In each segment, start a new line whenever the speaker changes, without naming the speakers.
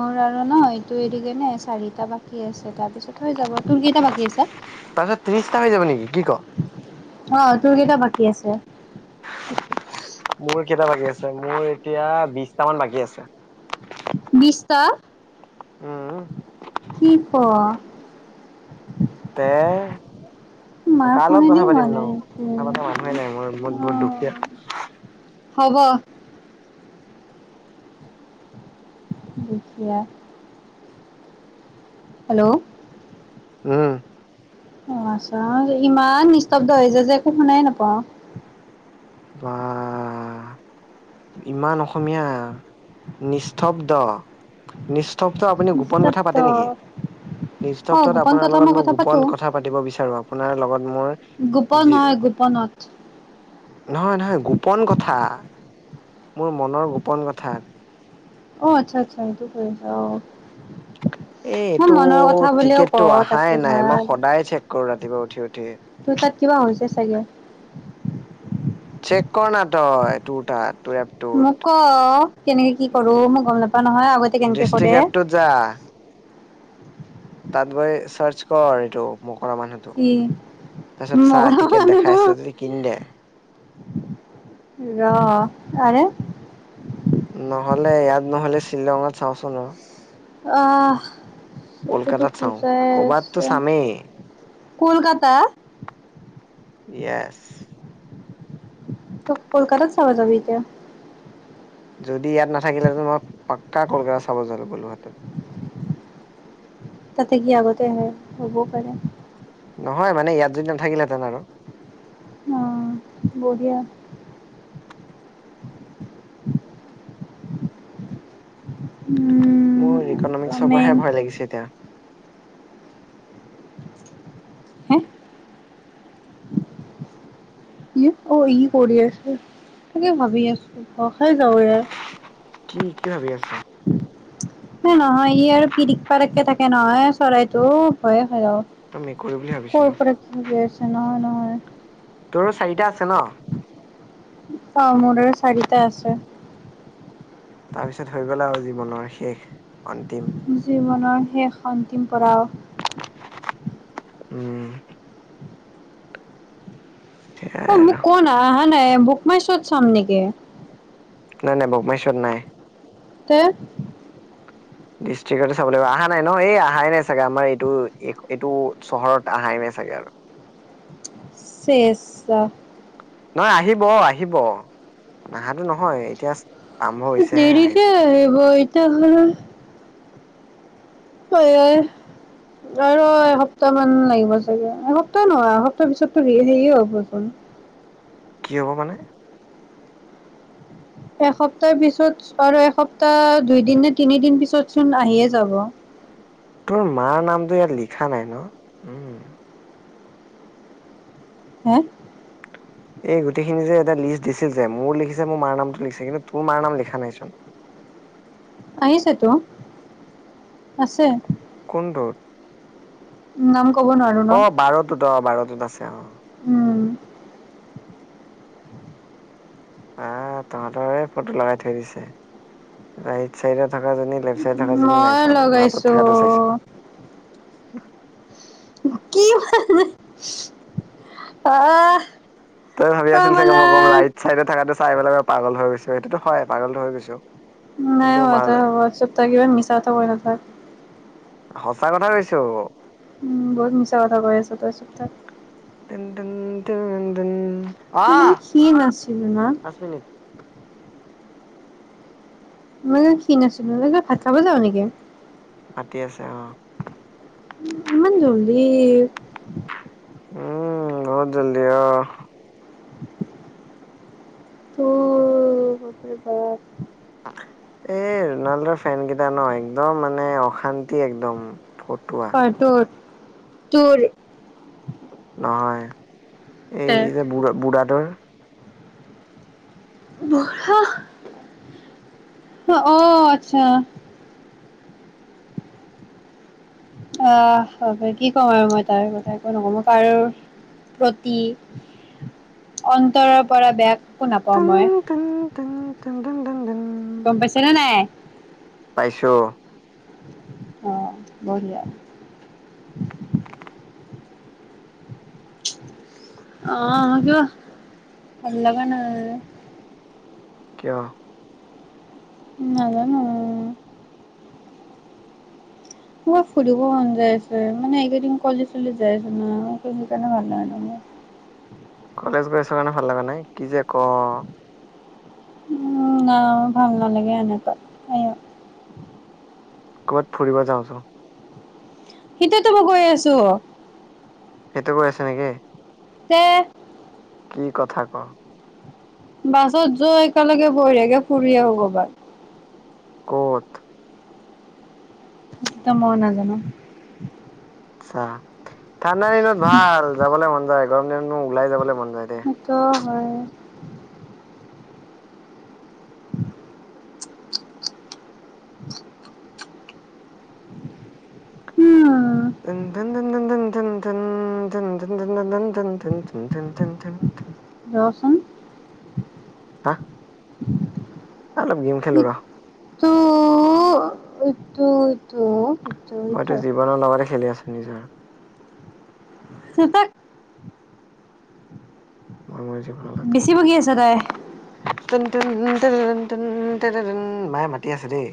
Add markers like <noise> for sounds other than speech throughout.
মোৰ আৰু ন' এইটোৰি কেনে চাৰিটা বাকী আছে তাৰপিছত হৈ যাব, তোৰ কেইটা বাকী আছে?
তাৰপিছত ত্ৰিশটা হৈ যাব নেকি কি ক?
অ', তোৰ কেইটা বাকী আছে?
মোৰো কেইটা বাকী আছে? মোৰ এতিয়া বিশটামান বাকী আছে।
বিশটা
উম।
কি ক? মাৰ
কা লগত
ফোনেদি
কথা
হোৱা
পাতিম ন
নাই একো।
কথা পতা মানুহে নাই মোৰ মত বহুত দুখীয়া।
হ'ব। দেয়া হেল্ল'
হম
অঁ আছা ইমান নিস্তবদ হৈ য যে একো শুনাই নাপাওঁ।
বা ইমান অসমীয়া নিস্তব্ধ নিস্তব। পুনি গোপন কথা পা
নিস্তব্ধ।
নেকি নিষ্টব্দ
অ গোপন
আপোনাৰ
কথা
লগত মই
কথা
গোপন
পাতো।
কথা পাতিব বিচাৰো আপোনাৰ লগত মোৰ
গোপন
যি
হয় গোপনত।
নহয় নহয় গোপন ক থা মোৰ মনৰ গোপন কথা।।
অ আচ্ছা আচ্ছা এইটো কৰি আছা আহ।
এ এইটো
বুলিও
টিকেটটো
কওঁ
অহাই
তাতকে
নাই মই
ভাল
সদায় চেক কৰো ৰাতিপুৱা উ
তোৰ তাত
<unintelligible>
কিবা হৈছে চাগে।
চেক কৰা ন তই তোৰ তাত। তোৰ এপটোত
মোক কেনেকে কি কৰো মই গম নাপা নহয় আগতে কেনেকে কৰে
ডিষ্ট্ৰিক্ট এপটোত যা তাত গৈ চাৰ্চ কৰ এইটো মোক
কি
তাচত চা।
মগৰা
টিকেট
মানুহটো
দেখাই যদি কিন দে
ৰ আৰে
নহলে নহলে শ্বিলঙত চাওঁচোন
আহ চকুতো
কলকাতাত চাওঁ
খুচাই
কৰ'বাততো
আছে
চামেই
কলকাতা
য়েছ
ত কলকাতাত চাব যাবি এতিয়া
যদি ইয়াত নাথাকিলে মই পাক্কা কলকাতাত চাব জলো গলোহেতেন
তাতে কি আগতে হয় হ'বও পাৰে
নহয় মানে ইয়াত যদি নাথাকিলেহেঁতেন আৰু
অ বহীয়া উম
মোৰ ইকনমিক্সৰ
কামিং
পৰাহে ভয় লাগিছে এতিয়া
হে ই অ ই কৰি আছে তাকে ভাবি আছো কষাই যাও য়ে
ভাবি আছা
এ নহয় ই আৰু পিৰিক পাৰাকে থাকে নহয় চৰাইতটো হয়
মই মেকুৰী বুলি
হেল্ল'
ভাবিছিলো
কৰ পৰা পছে ন ন
আৰু চাৰিটা আছে ন
চ মদৰ চাৰি ত আছে
তাৰপিছত হৈ গল আৰু জীৱনৰ শেষ অন্তিম
জীৱনৰ শেষ অন্তিম পৰাও
উম
অ
সেয়াই
মোক
আৰু
ক না হ নাই মুক মাৰ্চত চাম নেকি
নাই নাই বুকমাইশ্বোত নাই
তে
ডিষ্ট্ৰিকতে চাব লাগিব অহা নাই ন এই অহাই নাই চাগে আমাৰ এইটো এইটো চহৰত অহাই নাই চাগে আৰু
চেচ
এ আহিব আহিব নাহাটো নহয় এতিয়া আৰম্ভ হৈছেহে আহি
দেৰিকে আহ বই তে বোৰ এ আৰু এসপ্তাহ মান লাগিব চাগে এসপ্তাহ নহয় এসপ্তাহ পিছতো হেৰিয়ে হবচোন
কি হব মানে
এসপ্তাহ পিছত আৰু এসপ্তাহ দুইদিন নে তিনিদিন পিছত চোন আহিয়ে যাব
তোৰ মাৰ নামটো ইয়াত লিখা নাই ন উম
হা
এই গোটেইখিনি যে এটা লিষ্ট দিছে যে মোৰ লিখিছে মোৰ মাৰ নামটো লিখিছে কিন্তু তোৰ মাৰ নাম লিখা নাইচোন
আহিছে তো আছে
কোনতো।
নাম কব নোৱাৰো ন।
ত আছে অ
উম।
অহ তহঁতৰে ফটো লগাই থৈ দিছে ৰাইট চাইডে থকা জনী। বেক চাইড থকা জনী নাই চোৱা মই মাজত থকা টো চাইছো। উ।
কি অহ।
তই ভাবি আছিলি চাগে মই কম ৰাইট চাইডত থকাটো। চাই পেলাই মই পাগল হৈ গৈছো, সেইটো হয় পাগলটো হৈ গৈছো।
নাই
কিন্তু
হোৱা
মা
তই হব চুপথাকিয়ে মিছা কথা কৈ নাথাক।
সঁচা কথা কৈছো।
উম বহুত মিছা কথা কৈ আছ তই চুপথাক।
তেন তেন টো ৰন তন
ইমান খিন আছিলো না।
মিনিট
মই ও খিন আছিলো অ তই ভাত খাব জাও নেকি।
মাতি আছে অ।
উম ইমান জলদি।
উম বহুত জলদী অহ।
<unintelligible> অহ হইটো ভাত।
এই নাল দফ। ফানকেইটা ন একদম মানে অ। শান্তি একদম। ফটুৱা।
হয়টো। তোৰ।
নহয়। এই
তে
যে বুঢ়া বুঢ়াতৰ।
বুঢ়া অহ আচ্ছা। অহ হব কি ক'ম আৰু মই তাৰ কথা একো নকওঁ মই কাৰো প্ৰতি অন্তৰৰ পৰা বেয়া। একো নাপাওঁ
টুম
মই
টুম। তিন তিন তিন দিন দিন।
গম পাইছে নে নাই।
পাইছো।
অ বঢ়িয়া। অহ কিবা ভাল লগা নাই।
কিয়।
নাজানোঁ মোৰ ফুৰিব মন যাই আছে মানে এইকেইদিন কলেজলে যাই আছো ন সেইকাৰণে মণ নাই মোৰ।
কলেজ গৈ আছ কাৰণে ভাল লগা নাই কি যে কও।
উম না ভাল নালাগে এনেকাত।
ক'ৰবাত ফুৰিব যাওঁ যাওঁ
সেইটোৱেতো মই কৈ আছো
সেইটোৱে কৈ আছা নেকি?
তে
কি কথা ক
বাছত গৈ একেলগে বঢ়িয়াকে ফুৰি আহোঁ ক'ৰবাত।
ক'ত
মই নাজানো
<unintelligible> ফাক ঠাণ্ডা দিনত ভাল যাবলৈ মন গৰম দিনত মোৰ ওলাই যাবলৈ মন নাযায় দে।
সেইটো হয় <inaudible> উম
<unintelligible> <unintelligible>
ৰচোন
হা অলপ গেম খেলো ৰ
<unintelligible>
মইতো
ইটো।
জীৱনৰ লগতে খেলি আছো নিজৰ
চুপ থাক
মই মোৰ জীৱনৰ লগত <unintelligible> <unintelligible> মায়ে মাতি আছে দেই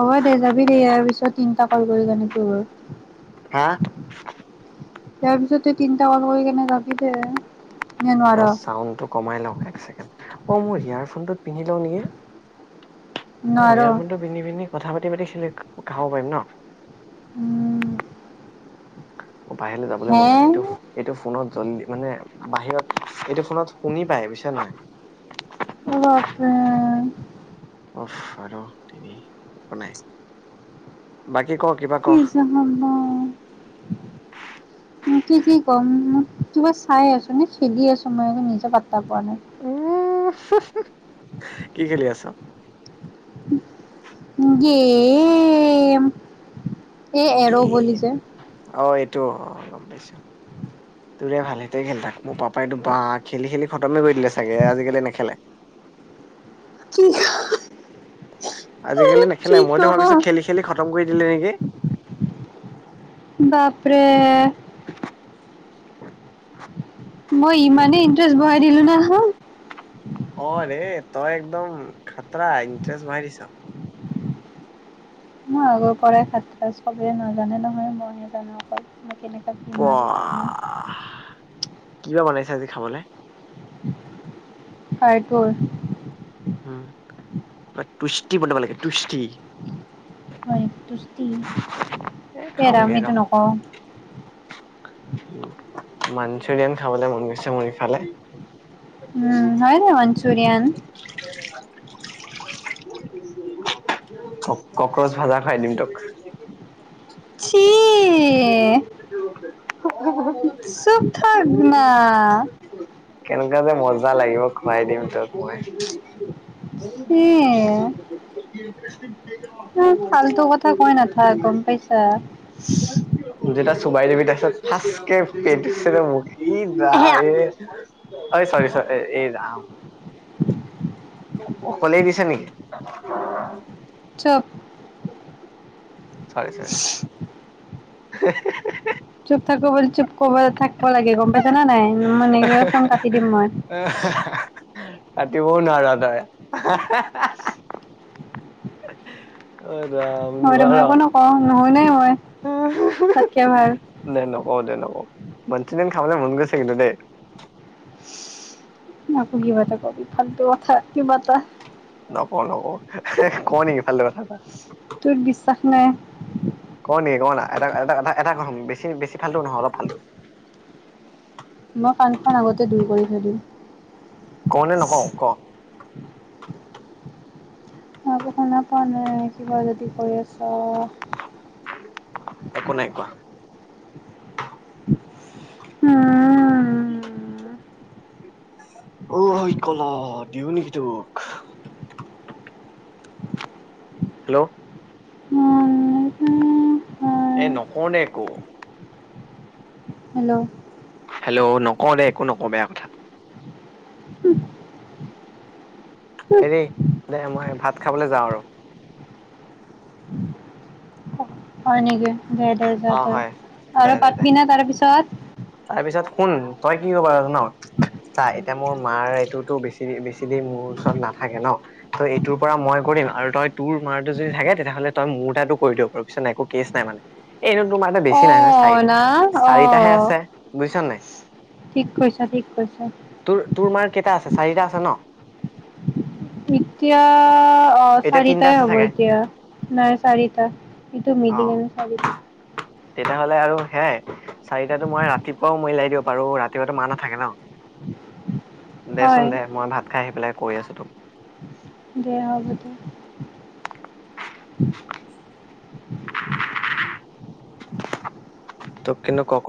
হ'ব দে যাবি দেই ইয়াৰ পিছত <unintelligible>
হা
তাৰ পিছতো তিনিটা কল কৰি কেনে যাবি দে নে নোৱাৰ
চাউণ্ডটো কমাই লওঁক এক <unintelligible> অ মোৰ ইয়াৰফোনটোত পিন্ধি লওঁ নেকি অ
নোৱাৰ
ইয়াৰ ফোনটো পিন্ধি পিন্ধি কথা পাতি পাতি খাব পাৰিম ন
উম
বাহিৰলৈ যাবলৈ
হে
মন যোৱা নাই এইটো এইটো ফোনত জলদি মানে বাহিৰত এইটো ফোনত শুনি পায় বুইছা নাই
অ' আতছা
উফ আৰু তিনি একো নাই বাকী ক কিবা ক
কি যে হব <unintelligible> কি কি ক'ম মোক কিবা চাই আছো নে খেদি আছো মই একো নিজে পাত্তা পোৱা নাই
<unintelligible> কি খেলি আছ
গেম এ এৰ' বুলি যে
ত গম পাইছো তোৰে ভাল সেইতে খেল তাক মোৰ পাপাইতো বা খেলি খেলি খতমে কৰি দিলে চাগে আজিকালি নেখেলে
কি
আজিকালি নে? খেলে
কি
মইতো ভাবিছো
কম
খেলি খেলি খতম কৰি হয় যে <unintelligible>
বাপৰে।
<inaudible>
মই ইমানেই ইণ্টাৰেষ্ট বঢ়াই দিলো ন। সেই <unintelligible>
অ' ৰে তই একদম খাতৰা ইণ্টাৰেষ্ট বৰহাই দিচ।
মই আগৰ পৰাই খাতৰা চবে নাজানে নহয় মইহে জানো অকল। কেনেকুৱা বেমাৰিটো
বাহ
মই।
কিবা বনাইছে আজি খাবলে।
ফাইপুৰ।
উম টুষ্টি বনাব লাগে টুষ্টি।
হয় তুষ্টি।
এ
সেইৰা
খাওঁগে
আমি
ৰ
এইটো নকওঁ।
মাঞ্চুৰিয়ান খাবলে মন গৈছে মোৰ ইফালে।
উম হয় দে মাঞ্চুৰিয়ন।
ক' কক্ৰচ ভাজা খাই দিম তোক।
চি
<inaudible>
চুপ থাক না।
কেনেকা যে মজা লাগিব খুৱাই দিম তোক মই।
উম।
ইণ্ট্ৰেষ্টিং। <unintelligible>
এ ফাল্টো কথা কৈ নাথাক গম পাইছা।
যেতিয়া চোবাই দিবি তাৰপিছত ফাঁচকে পেটছে মোক দা এ অ চৰি-চৰি এ অ, অকলে গেইছে নেকি?
চব
চৰি-চৰি। <unintelligible>
চুপ থাকো বুলি চুপ কব থাকিব লাগে গম পাইছা না নাই। মানে ফোন কাটি দিম মই।
কাতিবও নোৱাৰা তই। <unintelligible> য
নহয়তো মই
নোৱাৰা
একো নকওঁ নুশুনাই মই তাতকে ভাল
দে নকওঁ, দে নকওঁ। মঞ্চুৰিয়ান খাবলে মন গৈছে কিন্তু দেই।
আকৌ কিবা এটা কবি ফাল্টো কথা কিবা এটা।
নকওঁ-নকওঁ, কওঁ নেকি ফাল্টো কথা এটা।
তোক বিশ্বাস নাই।
ক না এটা এটা ক এটা কম বেছি-বেছি ফাল্টো নহয় অলপ ফাল্টো।
মই কাণখন আগতে দূৰ কৰি থৈ দিম।
কওঁনে নকওঁ ক?
ন পোৱা নাই কিবা যদি কৈ আছা।
একো নাই কোৱা অ' হৈ কলহ দিওঁ নেকি তোক, হেল্ল', এ নকওঁ নে একো।
হেল্ল',
হেল্ল' নকওঁ দে একো নকওঁ বেয়া কথা। হেৰি দে মই ভাত খাবলৈ যাওঁ আৰু।
হয় নেকি। দে-দে যোৱা
অ
তই
হয় দে
আৰু
দে দে
পাতবি ন তাৰপিছত।
তাৰপিছত শুন তই কি কৰিবাৰ ন চ এতিয়া মোৰ মাৰ এইটোতো বেছি-বেছি দেিন মোৰ ওচৰত নাথাকে ন তই এইটোৰ পৰা মই কৰিম আৰু তই তোৰ মাৰটো যদি থাকে তেতিয়াহ'লে তই মোৰ তাতো কৰি দিব পাৰ পিছত ন একো কেছ নাই মানে এনে তোৰ মাৰ এটা বেছি।
অ' না অ'
বুজিছা নে নাই।
ঠিক কৈছা, ঠিক কৈছা।
তোৰ তোৰ মাৰ কেইটা আছে চাৰিটা আছে ন,
এতিয়া অ'
এতিয়া তিনিটা
চাৰিটাই
আছে
হ'ব
চাগে
এতিয়া নাই চাৰিটা সেইটো
অ
মিলি কেনে চাৰিটা।
তেতিয়াহলে আৰু সেইয়াই চাৰিটা মই ৰাতিপুৱাও মই উলাই দিব পাৰো ৰাতিপুৱা মা নাথাকে ন।
হয়
দেচোন দে মই ভাত খাই আহি, পেলাই কৈ আছোঁ তোক।
দে হবো দে।
তোক কিন্তু কক